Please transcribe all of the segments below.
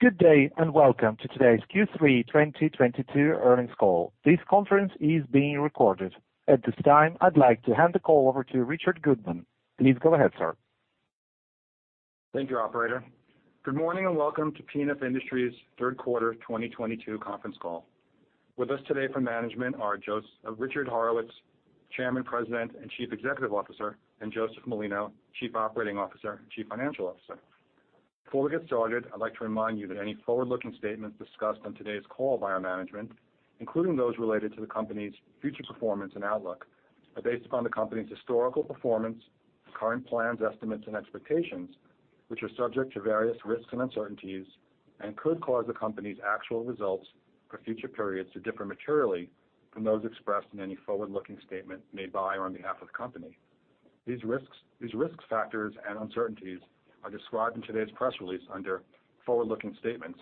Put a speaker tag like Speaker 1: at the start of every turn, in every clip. Speaker 1: Good day, and welcome to today's Q3 2022 earnings call. This conference is being recorded. At this time, I'd like to hand the call over to Richard Goodman. Please go ahead, sir.
Speaker 2: Thank you, operator. Good morning and welcome to P&F Industries third quarter 2022 conference call. With us today from management are Richard Horowitz, Chairman, President, and Chief Executive Officer, and Joseph Molino, Chief Operating Officer and Chief Financial Officer. Before we get started, I'd like to remind you that any forward-looking statements discussed on today's call by our management, including those related to the company's future performance and outlook, are based upon the company's historical performance, current plans, estimates, and expectations, which are subject to various risks and uncertainties and could cause the company's actual results for future periods to differ materially from those expressed in any forward-looking statement made by or on behalf of the company. These risks, these risk factors, and uncertainties are described in today's press release under forward-looking statements,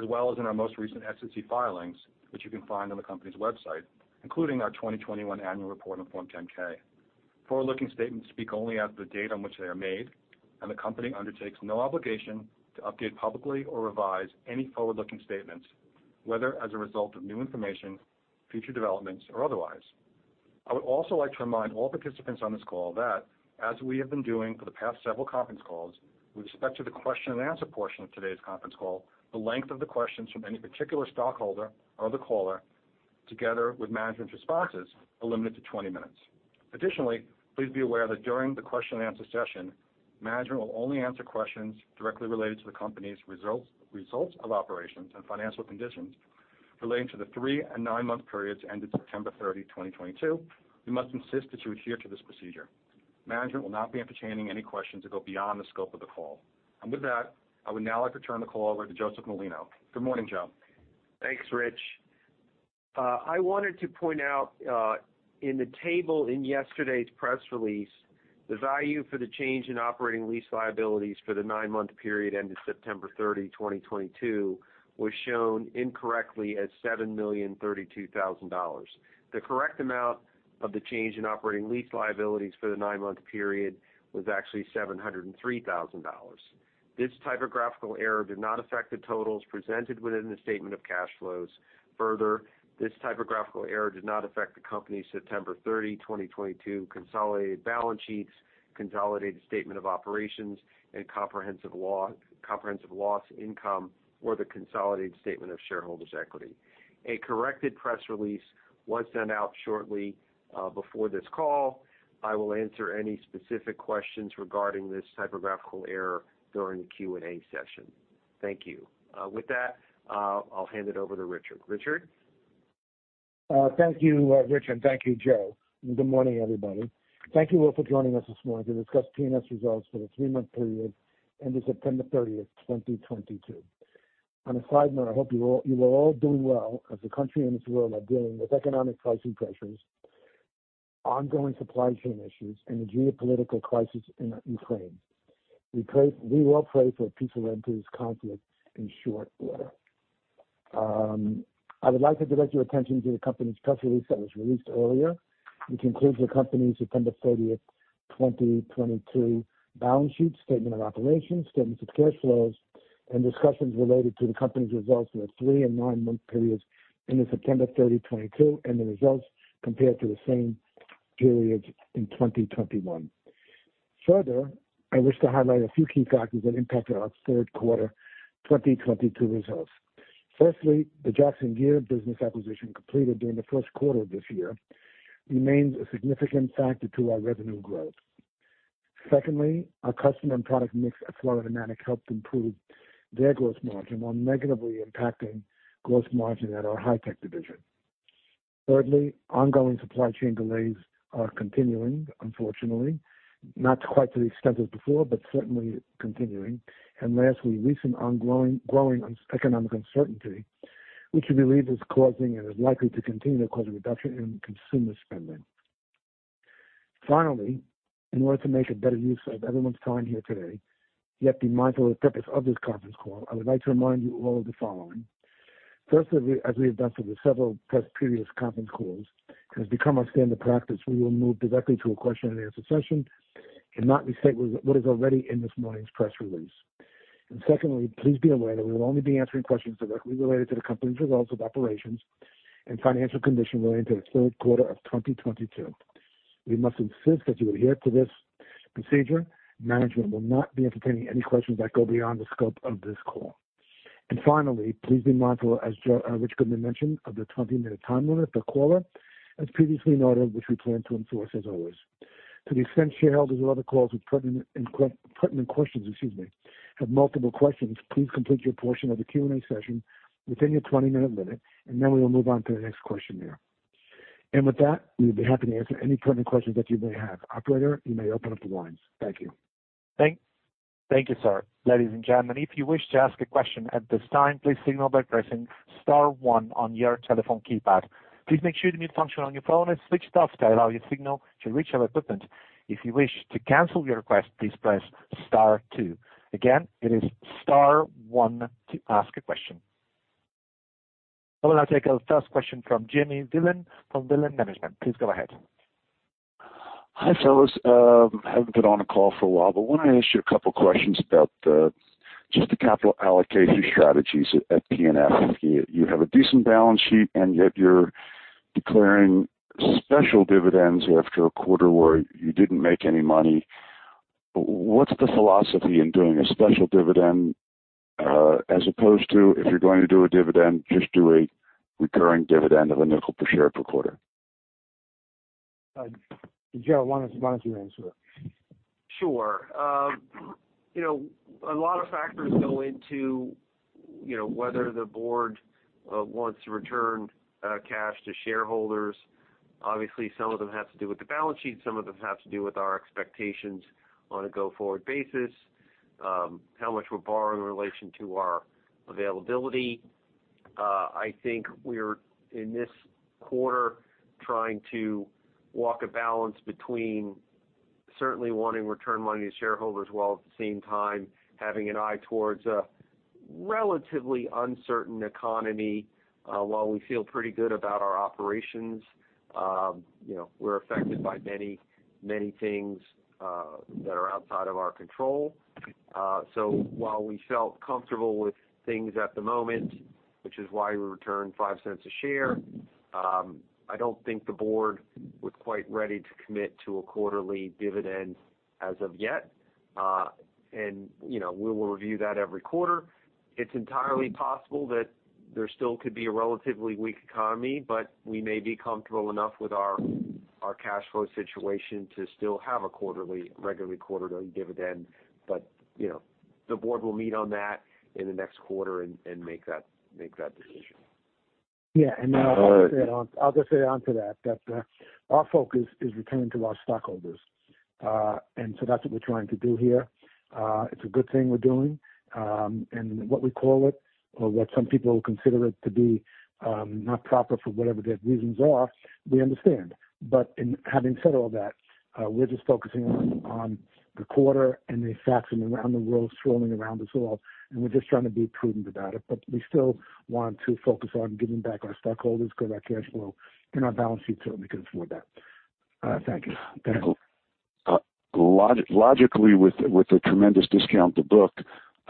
Speaker 2: as well as in our most recent SEC filings, which you can find on the company's website, including our 2021 annual report and Form 10-K. Forward-looking statements speak only as of the date on which they are made, and the company undertakes no obligation to update publicly or revise any forward-looking statements, whether as a result of new information, future developments or otherwise. I would also like to remind all participants on this call that as we have been doing for the past several conference calls, with respect to the question and answer portion of today's conference call, the length of the questions from any particular stockholder or other caller, together with management's responses, are limited to 20 minutes. Additionally, please be aware that during the question and answer session, management will only answer questions directly related to the company's results of operations and financial conditions relating to the three and nine month periods ended September 30, 2022. We must insist that you adhere to this procedure. Management will not be entertaining any questions that go beyond the scope of the call. With that, I would now like to turn the call over to Joseph Molino. Good morning, Joe.
Speaker 3: Thanks, Rich. I wanted to point out, in the table in yesterday's press release, the value for the change in operating lease liabilities for the nine-month period ended September 30, 2022, was shown incorrectly as $7,032,000. The correct amount of the change in operating lease liabilities for the nine-month period was actually $703,000. This typographical error did not affect the totals presented within the statement of cash flows. Further, this typographical error did not affect the company's September 30, 2022 consolidated balance sheets, consolidated statement of operations, and comprehensive loss or income or the consolidated statement of shareholders' equity. A corrected press release was sent out shortly before this call. I will answer any specific questions regarding this typographical error during the Q&A session. Thank you. With that, I'll hand it over to Richard. Richard?
Speaker 4: Thank you Rich, and thank you, Joe. Good morning, everybody. Thank you all for joining us this morning to discuss P&F results for the three-month period ending September 30th, 2022. On a side note, I hope you all are doing well as the country and this world are dealing with economic pricing pressures, ongoing supply chain issues, and the geopolitical crisis in Ukraine. We all pray for a peaceful end to this conflict in short order. I would like to direct your attention to the company's press release that was released earlier, which includes the company's September 30, 2022 balance sheet, statement of operations, statements of cash flows, and discussions related to the company's results for the three- and nine-month periods ending September 30, 2022, and the results compared to the same period in 2021. Further, I wish to highlight a few key factors that impacted our third quarter 2022 results. Firstly, the Jackson Gear business acquisition completed during the first quarter of this year remains a significant factor to our revenue growth. Secondly, our customer and product mix at Florida Pneumatic helped improve their gross margin while negatively impacting gross margin at our Hy-Tech division. Thirdly, ongoing supply chain delays are continuing, unfortunately, not quite to the extent as before, but certainly continuing. Lastly, recent ongoing growing economic uncertainty, which we believe is causing and is likely to continue to cause a reduction in consumer spending. Finally, in order to make a better use of everyone's time here today, yet be mindful of the purpose of this conference call, I would like to remind you all of the following. Firstly, as we have done for the several previous press conference calls, it has become our standard practice. We will move directly to a question and answer session and not restate what is already in this morning's press release. Secondly, please be aware that we will only be answering questions directly related to the company's results of operations and financial condition relating to the third quarter of 2022. We must insist that you adhere to this procedure. Management will not be entertaining any questions that go beyond the scope of this call. Finally, please be mindful, as Richard Goodman mentioned, of the 20-minute time limit per caller, as previously noted, which we plan to enforce as always. To the extent shareholders or other callers with pertinent questions, excuse me, have multiple questions, please complete your portion of the Q&A session within your 20-minute limit, and then we will move on to the next question there. With that, we would be happy to answer any pertinent questions that you may have. Operator, you may open up the lines. Thank you.
Speaker 1: Thank you, sir. Ladies and gentlemen, if you wish to ask a question at this time, please signal by pressing star one on your telephone keypad. Please make sure the mute function on your phone is switched off to allow your signal to reach our equipment. If you wish to cancel your request, please press star two. Again, it is star one to ask a question.
Speaker 4: I will now take our first question from Jimmy Dillon from Dillon Management. Please go ahead.
Speaker 5: Hi, fellas. Haven't been on a call for a while, but wanna ask you a couple questions about just the capital allocation strategies at P&F. You have a decent balance sheet, and yet you're declaring special dividends after a quarter where you didn't make any money. What's the philosophy in doing a special dividend, as opposed to if you're going to do a dividend, just do a recurring dividend of a nickel per share per quarter?
Speaker 4: Joe, why don't you answer it?
Speaker 3: Sure. You know, a lot of factors go into, you know, whether the board wants to return cash to shareholders. Obviously, some of them have to do with the balance sheet, some of them have to do with our expectations on a go-forward basis, how much we borrow in relation to our availability. I think we're, in this quarter, trying to walk a balance between certainly wanting return money to shareholders, while at the same time having an eye towards a relatively uncertain economy. While we feel pretty good about our operations, you know, we're affected by many, many things that are outside of our control. While we felt comfortable with things at the moment, which is why we returned $0.05 a share, I don't think the board was quite ready to commit to a quarterly dividend as of yet. You know, we will review that every quarter. It's entirely possible that there still could be a relatively weak economy, but we may be comfortable enough with our cash flow situation to still have a quarterly, regular quarterly dividend. You know, the board will meet on that in the next quarter and make that decision.
Speaker 4: Yeah. I'll just add on to that, our focus is returning to our stockholders. That's what we're trying to do here. It's a good thing we're doing. What we call it or what some people consider it to be, not proper for whatever their reasons are, we understand. In having said all that, we're just focusing on the quarter and the facts and around the world swirling around us all, and we're just trying to be prudent about it. We still want to focus on giving back our stockholders, grow that cash flow and our balance sheet till we can afford that. Thank you.
Speaker 5: Logically, with a tremendous discount to book,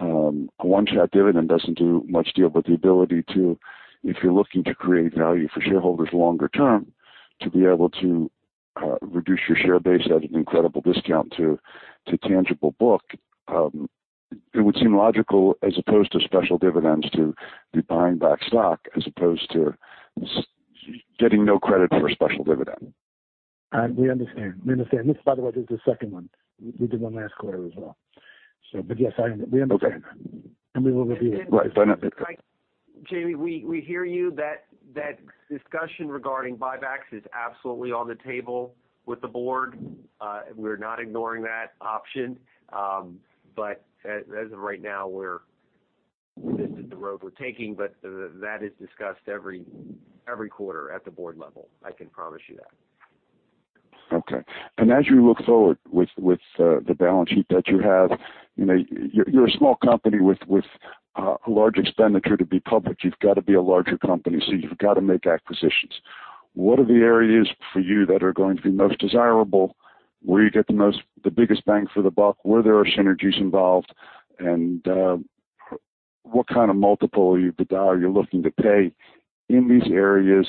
Speaker 5: a one-shot dividend doesn't do much. The ability to, if you're looking to create value for shareholders longer term, to be able to, reduce your share base at an incredible discount to tangible book, it would seem logical, as opposed to special dividends, to be buying back stock as opposed to getting no credit for a special dividend.
Speaker 4: We understand. This by the way, is the second one. We did one last quarter as well. But yes, we understand that.
Speaker 5: Okay.
Speaker 4: We will review it.
Speaker 5: Right.
Speaker 3: Jimmy, we hear you. That discussion regarding buybacks is absolutely on the table with the board. We're not ignoring that option. But as of right now, this is the road we're taking, but that is discussed every quarter at the board level, I can promise you that.
Speaker 5: Okay. As you look forward with the balance sheet that you have, you know, you're a small company with a large expenditure to be public. You've got to be a larger company, so you've got to make acquisitions. What are the areas for you that are going to be most desirable, where you get the most, the biggest bang for the buck, where there are synergies involved, and what kind of multiple are you looking to pay in these areas?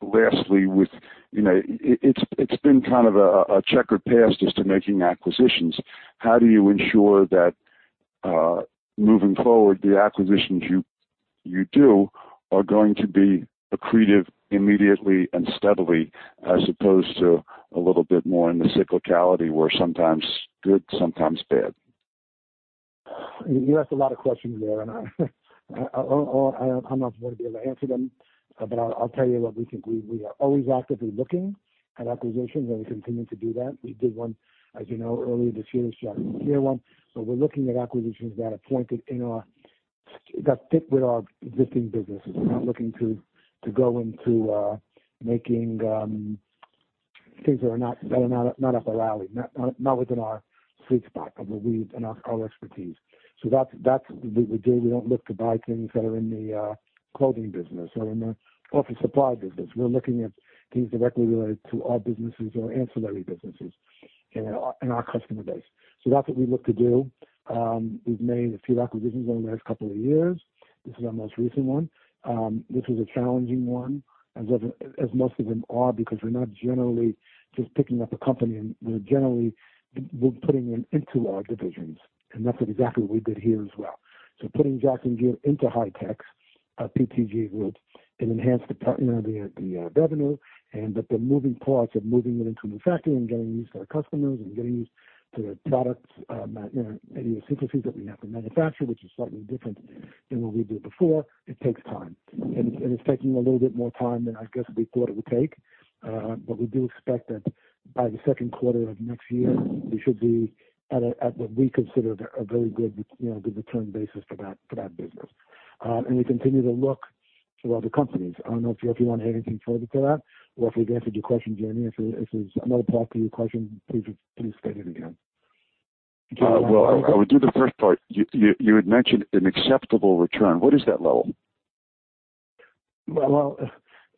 Speaker 5: Lastly, you know, it's been kind of a checkered past as to making acquisitions. How do you ensure that moving forward, the acquisitions you do are going to be accretive immediately and steadily as opposed to a little bit more in the cyclicality where sometimes good, sometimes bad?
Speaker 4: You asked a lot of questions there, and I'm not gonna be able to answer them. I'll tell you what we think. We are always actively looking at acquisitions and we continue to do that. We did one, as you know, earlier this year, the Jackson Gear one. We're looking at acquisitions that fit with our existing businesses. We're not looking to go into making things that are not up our alley, not within our sweet spot in our expertise. That's what we do. We don't look to buy things that are in the clothing business or in the office supply business. We're looking at things directly related to our businesses or ancillary businesses in our customer base. That's what we look to do. We've made a few acquisitions over the last couple of years. This is our most recent one. This was a challenging one, as most of them are, because we're not generally just picking up a company and we're generally putting them into our divisions, and that's exactly what we did here as well. Putting Jackson Gear into Hy-Tech, PTG would enhance the part, you know, the revenue and but the moving parts of moving them into manufacturing and getting these to our customers and getting these to the products, you know, idiosyncrasies that we have to manufacture, which is slightly different than what we did before, it takes time. It's taking a little bit more time than I guess we thought it would take. We do expect that by the second quarter of next year, we should be at what we consider a very good return basis for that business. We continue to look for other companies. I don't know if you wanna add anything further to that or if we've answered your question, Jimmy. If there's another part to your question, please state it again.
Speaker 5: Well, I would do the first part. You had mentioned an acceptable return. What is that level?
Speaker 4: Well,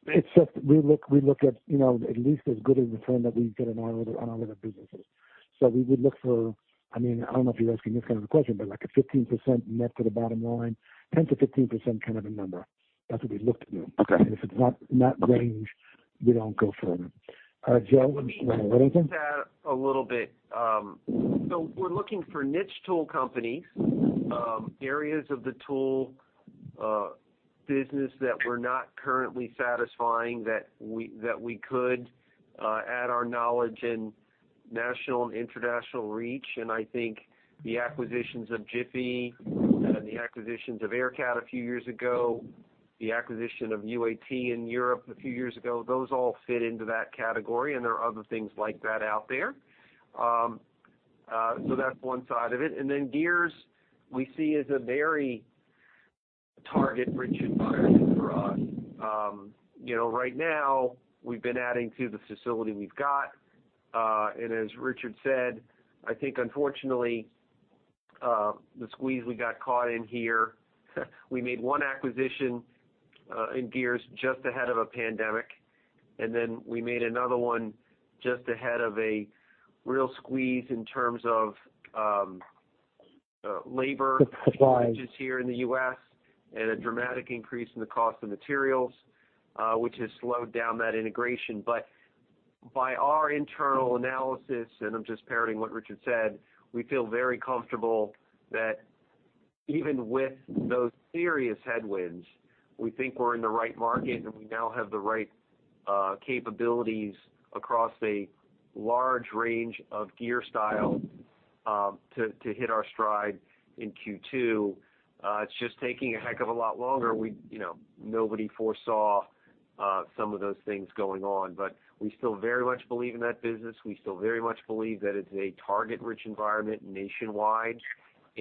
Speaker 4: it's just we look at, you know, at least as good a return that we get on our other businesses. We would look for, I mean, I don't know if you're asking this kind of a question, but like a 15% net to the bottom line, 10%-15% kind of a number. That's what we look to.
Speaker 5: Okay.
Speaker 4: If it's not in that range, we don't go further. Joseph, would you like to add anything?
Speaker 3: To add a little bit, we're looking for niche tool companies, areas of the tool business that we're not currently satisfying that we could add our knowledge and national and international reach. I think the acquisitions of Jiffy, the acquisitions of AIRCAT a few years ago, the acquisition of UAT in Europe a few years ago, those all fit into that category, and there are other things like that out there. That's one side of it. Then Gears we see as a very target-rich environment for us. You know, right now we've been adding to the facility we've got. As Richard said, I think unfortunately, the squeeze we got caught in here, we made one acquisition in gears just ahead of a pandemic, and then we made another one just ahead of a real squeeze in terms of labor.
Speaker 4: The supply.
Speaker 3: Shortages here in the U.S. and a dramatic increase in the cost of materials, which has slowed down that integration. By our internal analysis, and I'm just parroting what Richard said, we feel very comfortable that even with those serious headwinds, we think we're in the right market, and we now have the right capabilities across a large range of gear style to hit our stride in Q2. It's just taking a heck of a lot longer. You know, nobody foresaw some of those things going on but we still very much believe in that business. We still very much believe that it's a target-rich environment nationwide.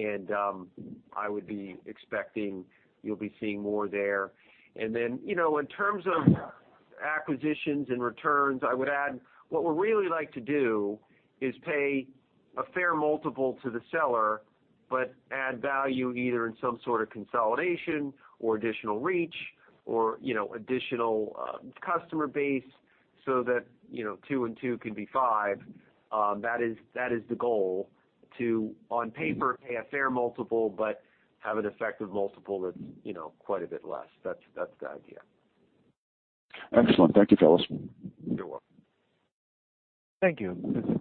Speaker 3: I would be expecting you'll be seeing more there. You know, in terms of acquisitions and returns, I would add, what we'd really like to do is pay a fair multiple to the seller, but add value either in some sort of consolidation or additional reach or, you know, additional customer base so that, you know, two and two can be five. That is the goal to, on paper, pay a fair multiple but have an effective multiple that's, you know, quite a bit less. That's the idea.
Speaker 5: Excellent. Thank you, fellas.
Speaker 3: You're welcome.
Speaker 1: Thank you.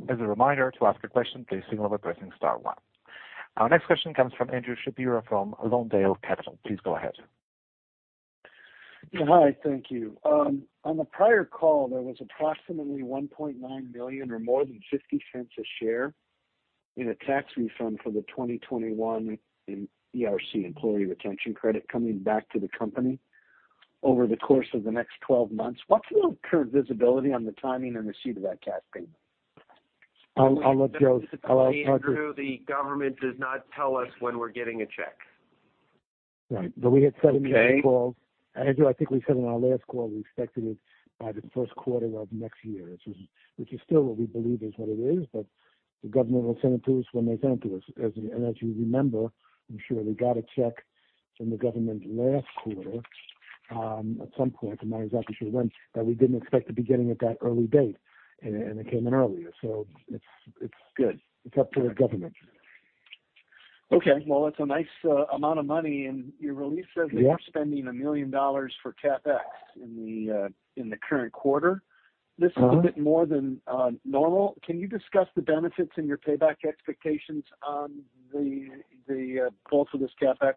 Speaker 1: As a reminder, to ask a question, please signal by pressing star one. Our next question comes from Andrew Shapiro from Lawndale Capital. Please go ahead.
Speaker 6: Yeah. Hi. Thank you. On the prior call, there was approximately $1.9 million or more than $0.50 a share in a tax refund for the 2021 ERC employee retention credit coming back to the company over the course of the next 12 months. What's your current visibility on the timing and receipt of that tax payment?
Speaker 4: I'll ask Joe.
Speaker 3: Andrew, the government does not tell us when we're getting a check.
Speaker 4: Right. We had said in this call.
Speaker 3: Okay.
Speaker 4: Andrew, I think we said on our last call we expected it by the first quarter of next year which is still what we believe is what it is. The government will send it to us when they send it to us. As you remember, I'm sure we got a check from the government last quarter, at some point, I'm not exactly sure when, that we didn't expect to be getting at that early date, and it came in earlier. It's good. It's up to the government.
Speaker 6: Okay. Well, it's a nice amount of money. Your release says that.
Speaker 4: Yeah.
Speaker 6: You're spending $1 million for CapEx in the current quarter. This is a bit more than normal. Can you discuss the benefits and your payback expectations on the cost of this CapEx?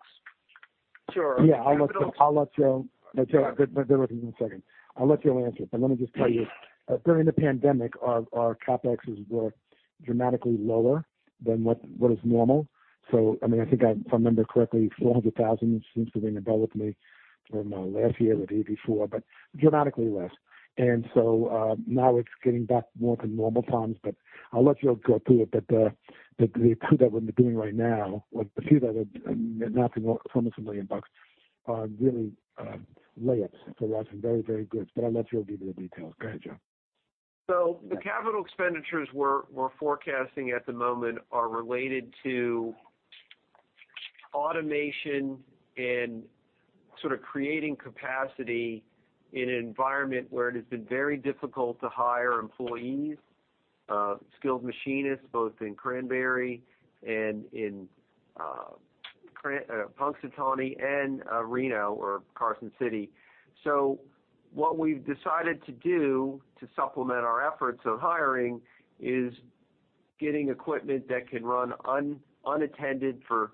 Speaker 3: Sure.
Speaker 4: Yeah. I'll let Joe - Joe, bear with me one second. I'll let Joe answer, but let me just tell you, during the pandemic, our CapExes were dramatically lower than what is normal. I mean, I think if I remember correctly, $400,000 seems to ring a bell with me from last year or the year before, but dramatically less. Now it's getting back more to normal times, but I'll let Joe go through it. The two that we're doing right now, like the two that are nothing more from $1 million bucks are really layups for us and very, very good. I'll let Joe give you the details. Go ahead, Joe.
Speaker 3: The capital expenditures we're forecasting at the moment are related to automation and sort of creating capacity in an environment where it has been very difficult to hire employees, skilled machinists, both in Cranberry and in Punxsutawney and Reno or Carson City. What we've decided to do to supplement our efforts of hiring is getting equipment that can run unattended for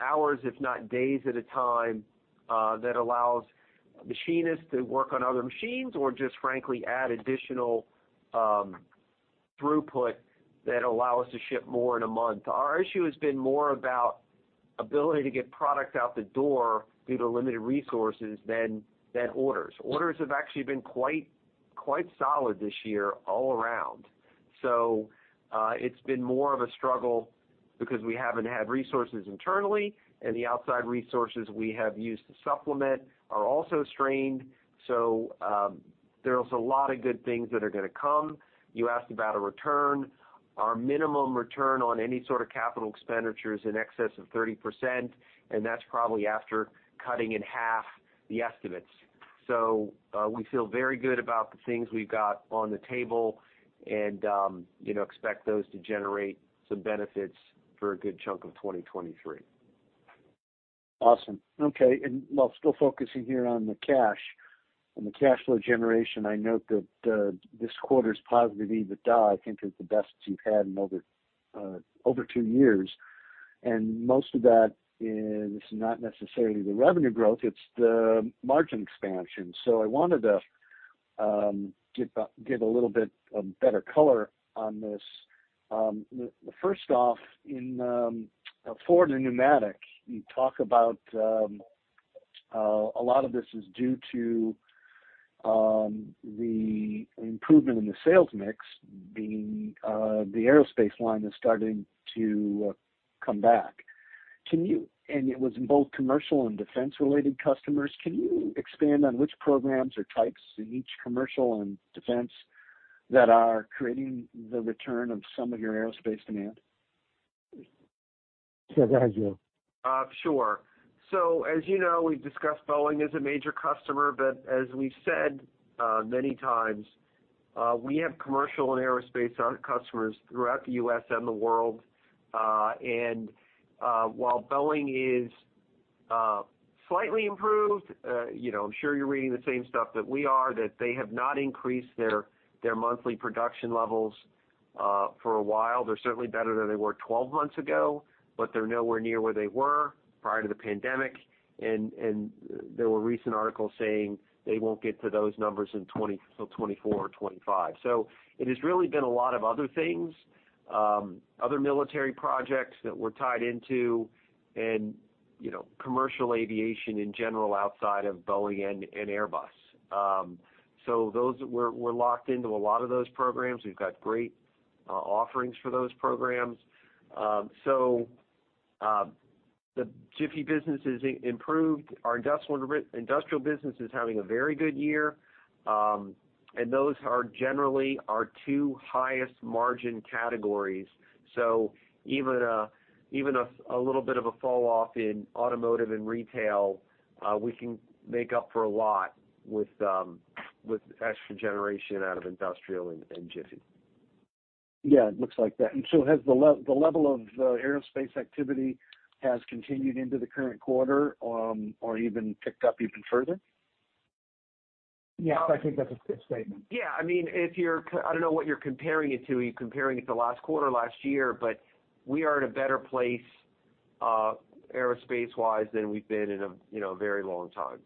Speaker 3: hours, if not days at a time, that allows machinists to work on other machines or just frankly add additional throughput that allow us to ship more in a month. Our issue has been more about ability to get product out the door due to limited resources than orders. Orders have actually been quite solid this year all around. It's been more of a struggle because we haven't had resources internally, and the outside resources we have used to supplement are also strained. There is a lot of good things that are gonna come. You asked about a return. Our minimum return on any sort of capital expenditure is in excess of 30%, and that's probably after cutting in half the estimates. We feel very good about the things we've got on the table and expect those to generate some benefits for a good chunk of 2023.
Speaker 6: Awesome, okay. While still focusing here on the cash, on the cash flow generation, I note that this quarter's positive EBITDA, I think is the best you've had in over two years. Most of that is not necessarily the revenue growth, it's the margin expansion. I wanted to give a little bit better color on this. First off, in Florida Pneumatic, you talk about a lot of this is due to the improvement in the sales mix being the aerospace line is starting to come back. It was in both commercial and defense-related customers. Can you expand on which programs or types in each commercial and defense that are creating the return of some of your aerospace demand?
Speaker 4: Sure, go ahead, Joe.
Speaker 3: Sure. So as you know, we've discussed Boeing is a major customer, but as we've said, many times, we have commercial and aerospace our customers throughout the U.S. and the world. While Boeing is slightly improved, you know, I'm sure you're reading the same stuff that we are, that they have not increased their monthly production levels for a while. They're certainly better than they were twelve months ago, but they're nowhere near where they were prior to the pandemic. There were recent articles saying they won't get to those numbers till 2024 or 2025. It has really been a lot of other things, other military projects that we're tied into and, you know, commercial aviation in general outside of Boeing and Airbus. Those we're locked into a lot of those programs. We've got great offerings for those programs. The Jiffy business is improved. Our industrial business is having a very good year, and those are generally our two highest margin categories. Even a little bit of a fall off in automotive and retail, we can make up for a lot with extra generation out of industrial and Jiffy.
Speaker 6: Yeah, it looks like that. Has the level of aerospace activity continued into the current quarter, or even picked up even further?
Speaker 4: Yeah, I think that's a fair statement.
Speaker 3: Yeah. I mean I don't know what you're comparing it to. Are you comparing it to last quarter, last year? We are in a better place, aerospace-wise than we've been in a, you know, very long time.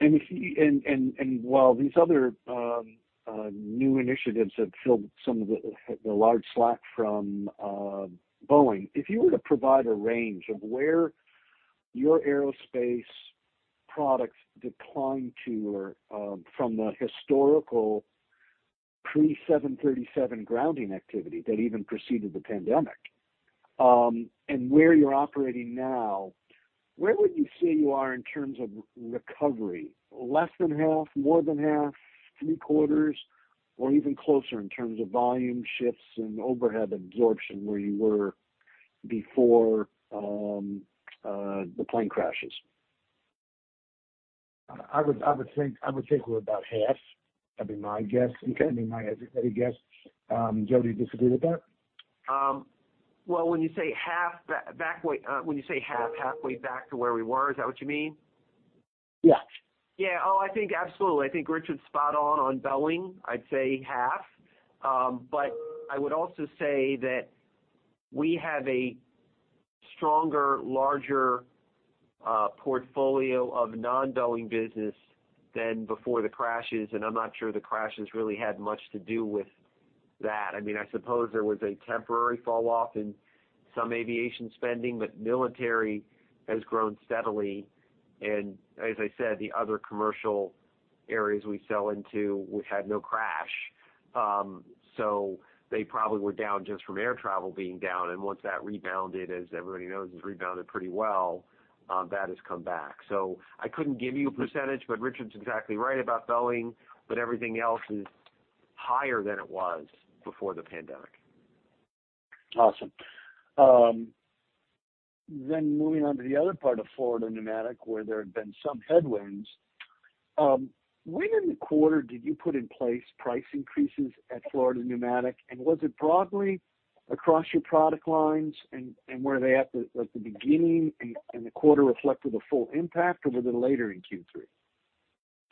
Speaker 6: While these other new initiatives have filled some of the large slack from Boeing, if you were to provide a range of where your aerospace products declined to or from the historical pre-737 grounding activity that even preceded the pandemic and where you're operating now, where would you say you are in terms of recovery? Less than half, more than half, three-quarters, or even closer in terms of volume shifts and overhead absorption where you were before the plane crashes?
Speaker 4: I would think we're about half. That'd be my guess.
Speaker 6: Okay.
Speaker 4: I mean my educated guess. Joe, do you disagree with that?
Speaker 3: Well, when you say halfway back to where we were, is that what you mean?
Speaker 4: Yeah.
Speaker 3: Yeah. Oh, I think absolutely. I think Richard's spot on on Boeing. I'd say half. I would also say that we have a stronger, larger, portfolio of non-Boeing business than before the crashes, and I'm not sure the crashes really had much to do with that. I mean, I suppose there was a temporary falloff in some aviation spending, but military has grown steadily. As I said, the other commercial areas we sell into, we had no crash. They probably were down just from air travel being down, and once that rebounded, as everybody knows, it's rebounded pretty well, that has come back. I couldn't give you a percentage, but Richard's exactly right about Boeing but everything else is higher than it was before the pandemic.
Speaker 6: Awesome. Moving on to the other part of Florida Pneumatic, where there had been some headwinds. When in the quarter did you put in place price increases at Florida Pneumatic, and was it broadly across your product lines, and were they at the beginning and the quarter reflected the full impact, or were they later in Q3?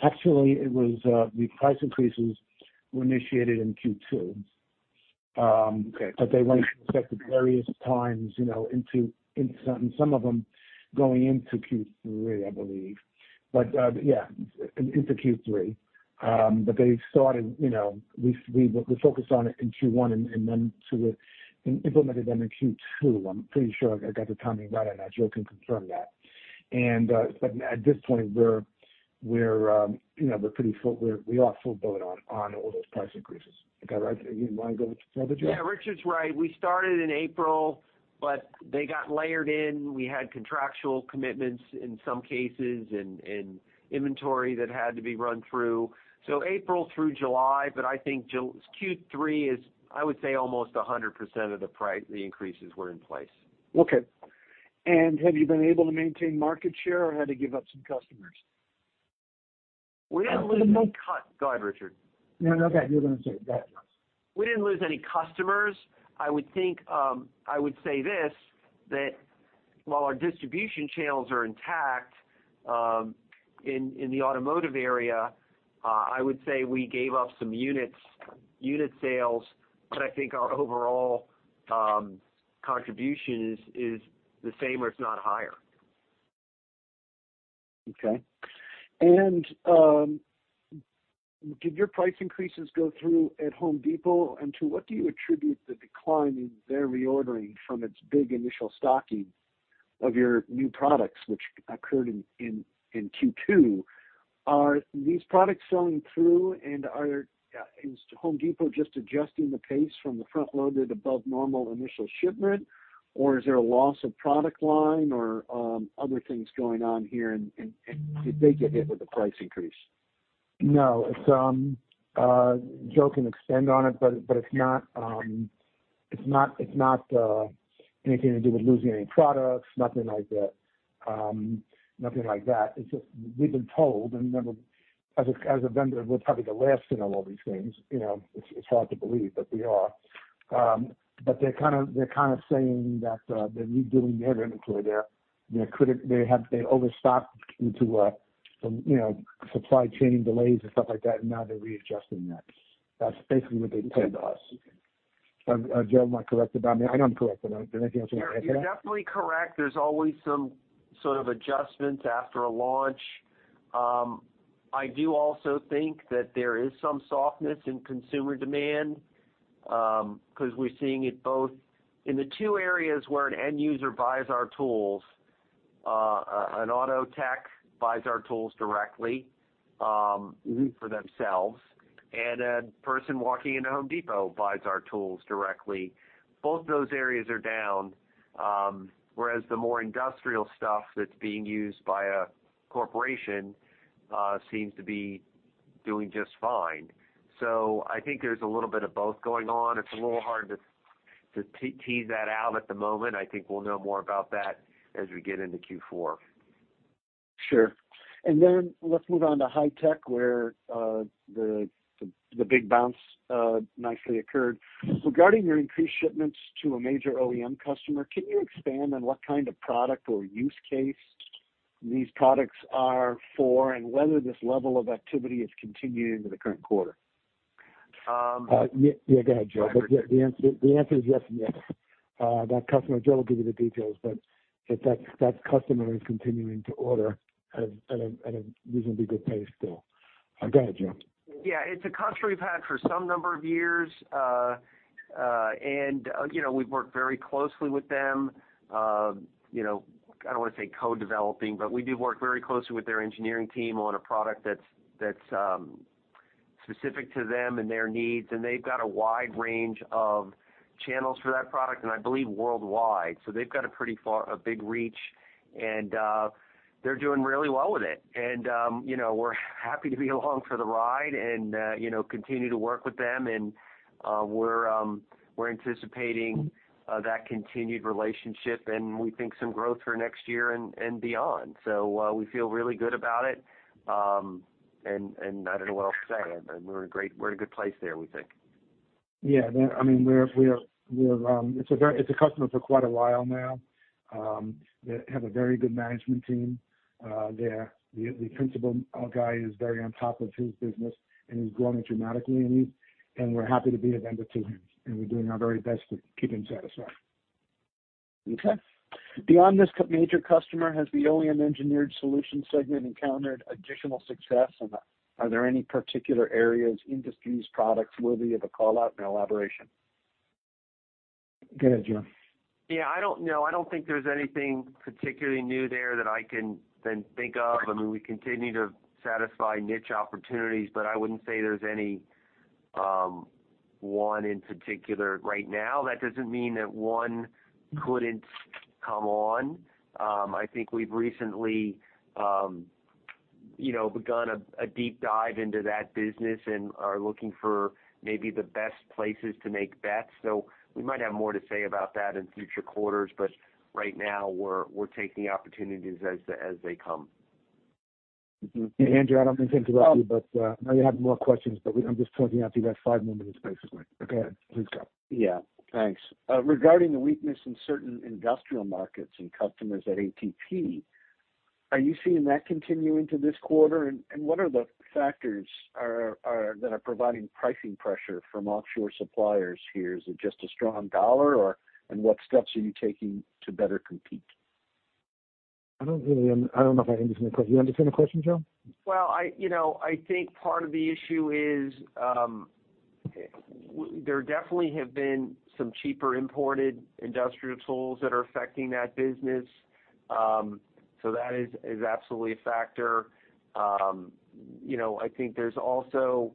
Speaker 4: Actually, it was the price increases were initiated in Q2.
Speaker 6: Okay.
Speaker 4: They went into effect at various times, you know, into some of them going into Q3, I believe. Yeah, into Q3. They started, you know, we focused on it in Q1 and then sort of implemented them in Q2. I'm pretty sure I got the timing right on that. Joe can confirm that. At this point, we're, you know, we're pretty full. We are full blown on all those price increases. I got it right? You wanna go further, Joe?
Speaker 3: Yeah, Richard's right. We started in April, but they got layered in. We had contractual commitments in some cases and inventory that had to be run through. April through July, but I think Q3 is, I would say, almost 100% of the increases were in place.
Speaker 6: Okay. Have you been able to maintain market share or had to give up some customers?
Speaker 3: Go ahead, Richard.
Speaker 4: No, no. Go ahead. You were gonna say it. Go ahead.
Speaker 3: We didn't lose any customers. I would think, I would say this, that while our distribution channels are intact, in the automotive area I would say we gave up some units, unit sales, but I think our overall contribution is the same or if not higher.
Speaker 6: Okay. Did your price increases go through at Home Depot? To what do you attribute the decline in their reordering from its big initial stocking of your new products, which occurred in Q2? Are these products selling through and is Home Depot just adjusting the pace from the front-loaded above normal initial shipment, or is there a loss of product line or other things going on here and did they get hit with the price increase?
Speaker 4: No. Joe can expand on it, but it's not anything to do with losing any products, nothing like that. Nothing like that. It's just we've been told, and then as a vendor, we're probably the last to know all these things. You know, it's hard to believe, but we are. They're kind of saying that they're redoing their inventory there. They overstocked into some supply chain delays and stuff like that, and now they're readjusting that. That's basically what they've said to us. Joe, am I correct about? I mean I know I'm correct, but anything else you wanna add to that?
Speaker 3: You're definitely correct. There's always some sort of adjustment after a launch. I do also think that there is some softness in consumer demand, 'cause we're seeing it both in the two areas where an end user buys our tools. An auto tech buys our tools directly for themselves, and a person walking into Home Depot buys our tools directly. Both those areas are down, whereas the more industrial stuff that's being used by a corporation seems to be doing just fine. I think there's a little bit of both going on. It's a little hard to tease that out at the moment. I think we'll know more about that as we get into Q4.
Speaker 6: Sure. Let's move on to Hy-Tech, where the big bounce nicely occurred. Regarding your increased shipments to a major OEM customer, can you expand on what kind of product or use case these products are for and whether this level of activity is continuing into the current quarter?
Speaker 4: Yeah. Go ahead, Joe. The answer is yes and yes. That customer, Joe will give you the details but that customer is continuing to order at a reasonably good pace still. Go ahead, Joe.
Speaker 3: Yeah. It's a customer we've had for some number of years. You know, we've worked very closely with them. You know, I don't wanna say co-developing but we do work very closely with their engineering team on a product that's specific to them and their needs, and they've got a wide range of channels for that product, and I believe worldwide. They've got a pretty big reach, and they're doing really well with it. You know, we're happy to be along for the ride and you know continue to work with them. We're anticipating that continued relationship and we think some growth for next year and beyond. We feel really good about it. I don't know what else to say. I mean, we're in a good place there, we think.
Speaker 4: Yeah. I mean, we're - it's a customer for quite a while now. They have a very good management team. The principal guy is very on top of his business, and he's growing dramatically and we're happy to be a vendor to him. We're doing our very best to keep him satisfied.
Speaker 6: Okay. Beyond this major customer, has the OEM engineered solution segment encountered additional success, and are there any particular areas, industries, products worthy of a call-out and elaboration?
Speaker 4: Go ahead, Joe.
Speaker 3: Yeah. I don't know. I don't think there's anything particularly new there that I can think of. I mean, we continue to satisfy niche opportunities, but I wouldn't say there's any one in particular right now. That doesn't mean that one couldn't come on. I think we've recently you know begun a deep dive into that business and are looking for maybe the best places to make bets. We might have more to say about that in future quarters but right now we're taking the opportunities as they come.
Speaker 6: Mm-hmm.
Speaker 4: Hey, Andrew, I don't mean to interrupt you, but I know you have more questions, but I'm just pointing out to you that 5 more minutes, basically. Go ahead. Please go.
Speaker 6: Yeah. Thanks. Regarding the weakness in certain industrial markets and customers at ATP, are you seeing that continue into this quarter? What are the factors that are providing pricing pressure from offshore suppliers here? Is it just a strong dollar? What steps are you taking to better compete?
Speaker 4: I don't know if I understand the question. Do you understand the question, Joe?
Speaker 3: Well you know, I think part of the issue is - there definitely have been some cheaper imported industrial tools that are affecting that business. So that is absolutely a factor. You know, I think there's also,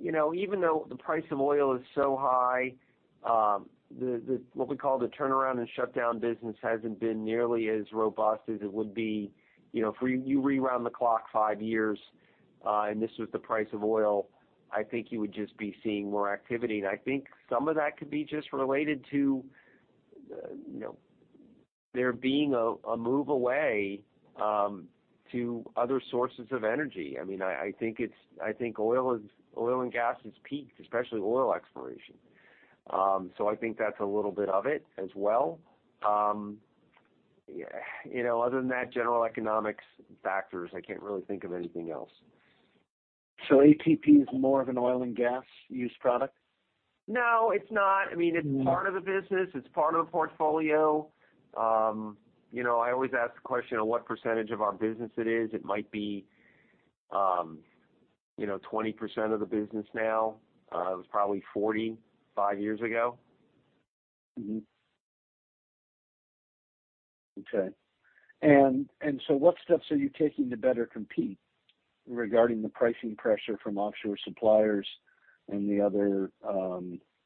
Speaker 3: you know, even though the price of oil is so high, what we call the turnaround and shutdown business hasn't been nearly as robust as it would be, you know, if you rewound the clock five years, and this was the price of oil, I think you would just be seeing more activity. I think some of that could be just related to, you know, there being a move away to other sources of energy. I mean, I think oil and gas is peaked, especially oil exploration. I think that's a little bit of it as well. You know, other than that, general economic factors, I can't really think of anything else.
Speaker 6: ATP is more of an oil and gas use product?
Speaker 3: No, it's not. I mean, it's part of the business. It's part of the portfolio. You know, I always ask the question of what percentage of our business it is. It might be, you know, 20% of the business now. It was probably 45 years ago.
Speaker 6: What steps are you taking to better compete regarding the pricing pressure from offshore suppliers and the other,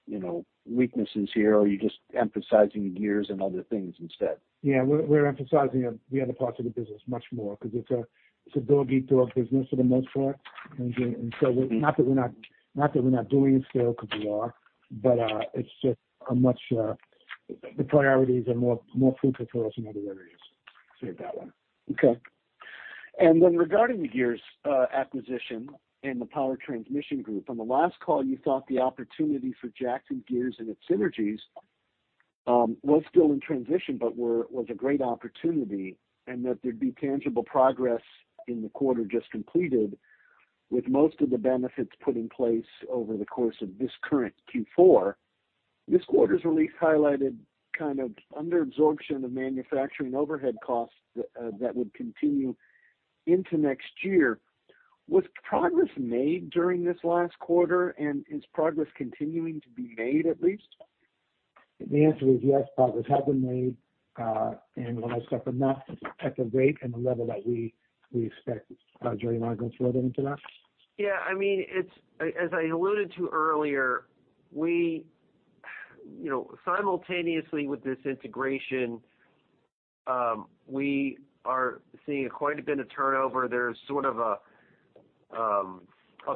Speaker 6: you know, weaknesses here? Or are you just emphasizing gears and other things instead?
Speaker 4: Yeah. We're emphasizing the other parts of the business much more because it's a dog-eat-dog business for the most part. Not that we're not doing scale, because we are, but it's just the priorities are more fruitful for us in other areas. Let's leave it that way.
Speaker 6: Okay. Then regarding the gears acquisition and the Power Transmission Group, on the last call, you thought the opportunity for Jackson Gears and its synergies was still in transition, but was a great opportunity, and that there'd be tangible progress in the quarter just completed, with most of the benefits put in place over the course of this current Q4. This quarter's release highlighted kind of under absorption of manufacturing overhead costs that would continue into next year. Was progress made during this last quarter, and is progress continuing to be made, at least?
Speaker 3: The answer is yes, progress has been made and when I say but not at the rate and the level that we expect. Jerry, you wanna go further into that? I mean, it's as I alluded to earlier, we, you know, simultaneously with this integration, we are seeing quite a bit of turnover. There's sort of a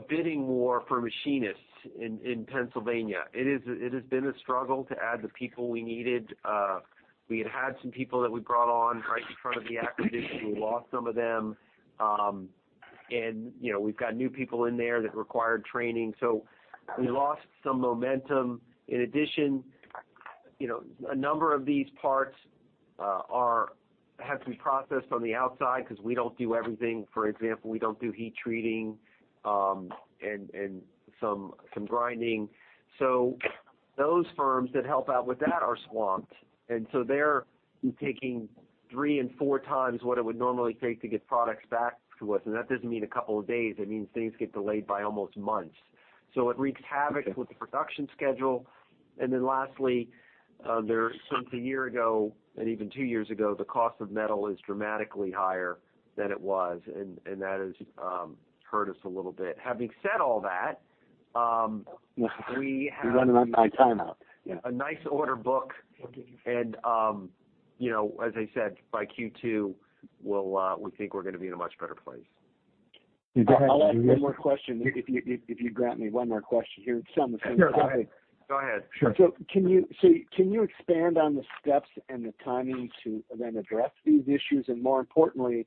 Speaker 3: bidding war for machinists in Pennsylvania. It is, it has been a struggle to add the people we needed. We had had some people that we brought on right in front of the acquisition. We lost some of them. You know, we've got new people in there that required training. We lost some momentum. In addition, you know, a number of these parts have to be processed on the outside because we don't do everything. For example, we don't do heat treating and some grinding. Those firms that help out with that are swamped. They're taking three and four times what it would normally take to get products back to us. That doesn't mean a couple of days. It means things get delayed by almost months. It wreaks havoc with the production schedule. Lastly, since a year ago and even two years ago, the cost of metal is dramatically higher than it was, and that has hurt us a little bit. Having said all that, we have -
Speaker 4: We're running out of time.
Speaker 3: A nice order book. You know, as I said, by Q2, we think we're gonna be in a much better place.
Speaker 6: I'll ask one more question, if you grant me one more question here. It's on the same topic.
Speaker 3: Sure. Go ahead. Sure.
Speaker 6: Can you expand on the steps and the timing to then address these issues, and more importantly,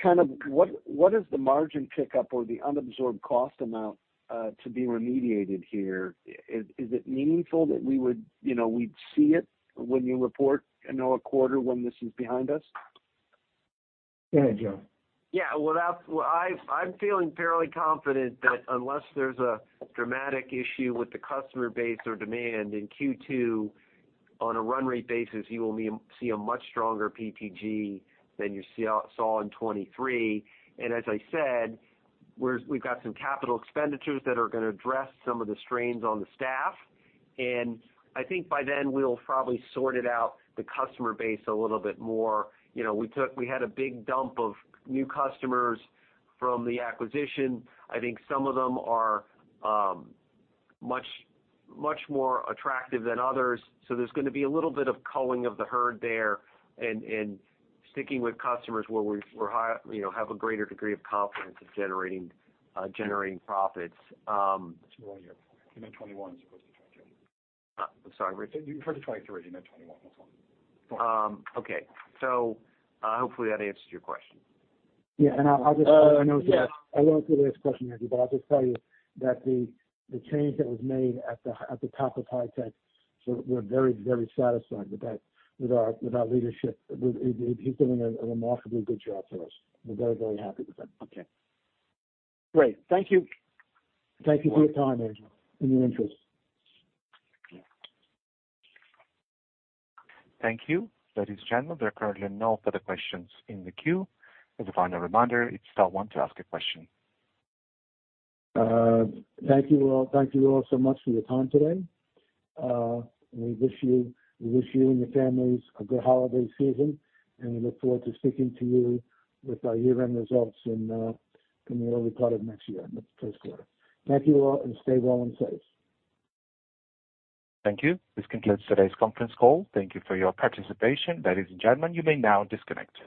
Speaker 6: kind of what is the margin pickup or the unabsorbed cost amount to be remediated here? Is it meaningful that we would, you know, we'd see it when you report another quarter when this is behind us?
Speaker 4: Go ahead, Joe.
Speaker 3: I'm feeling fairly confident that unless there's a dramatic issue with the customer base or demand in Q2 on a run rate basis, you will see a much stronger PTG than you saw in 2023. As I said, we've got some capital expenditures that are gonna address some of the strains on the staff. I think by then we'll probably sort it out the customer base a little bit more. You know, we had a big dump of new customers from the acquisition. I think some of them are much more attractive than others. So there's gonna be a little bit of culling of the herd there and sticking with customers where we're high, you know, have a greater degree of confidence in generating profits.
Speaker 4: You meant 2021 as opposed to 2023.
Speaker 3: I'm sorry, Rich?
Speaker 4: You referred to 2023. You meant 2021. That's all.
Speaker 3: Okay. Hopefully that answers your question.
Speaker 6: Yeah.
Speaker 4: Yeah. I won't ask a question Andrew, but I'll just tell you that the change that was made at the top of Hy-Tech, so we're very satisfied with that, with our leadership. He's doing a remarkably good job for us. We're very happy with him.
Speaker 6: Okay.
Speaker 4: Great. Thank you. Thank you for your time, Andrew, and your interest.
Speaker 3: Yeah.
Speaker 1: Thank you. Ladies and gentlemen, there are currently no further questions in the queue. As a final reminder, if you still want to ask a question.
Speaker 4: Thank you all. Thank you all so much for your time today. We wish you and your families a good holiday season and we look forward to speaking to you with our year-end results in the early part of next year, in the first quarter. Thank you all and stay well and safe.
Speaker 1: Thank you. This concludes today's conference call. Thank you for your participation. Ladies and gentlemen, you may now disconnect.